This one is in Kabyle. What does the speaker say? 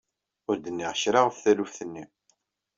Ur d-nniɣ kra ɣef taluft-nni.